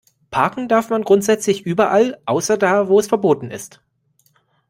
Parken darf man grundsätzlich überall, außer da, wo es verboten ist.